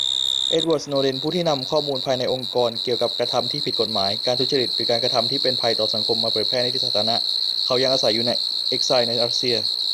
เอ็ดวาร์ด สโนเดน ผู้ที่นำข้อมูลภายในองค์กรเกี่ยวกับกระทำที่ผิดกฏหมาย การทุจริต หรือการกระทำที่เป็นภัยต่อสังคมมาเผยแพร่ในที่สาธารณ เขายังอาศัยอยู่ในเอ็กไซล์ในรัสเซีย